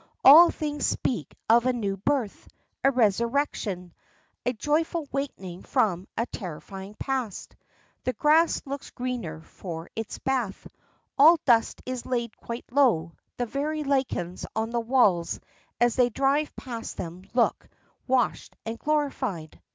All things speak of a new birth, a resurrection, a joyful waking from a terrifying past. The grass looks greener for its bath, all dust is laid quite low, the very lichens on the walls as they drive past them look washed and glorified.